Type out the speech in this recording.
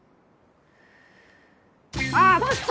ああ！